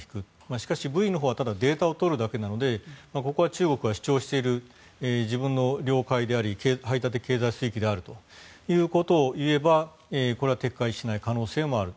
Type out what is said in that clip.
しかし、ブイのほうはデータを取るだけなのでここは中国が主張している自分の領海であり排他的経済水域であるということを言えばこれは撤回しない可能性もある。